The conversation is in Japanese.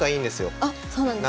あっそうなんですね。